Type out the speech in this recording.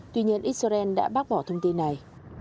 tuy nhiên israel đã bác bỏ thông tin này